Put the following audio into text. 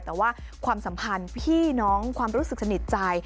แต่ว่าความสัมพันธ์พี่น้องความรู้สึกสนิทใจ